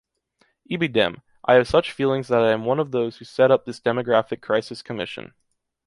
Ibidem, I have such feelings that I am one of those who set up this demographic crisis commission...